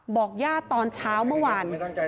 ญาติตอนเช้าเมื่อวาน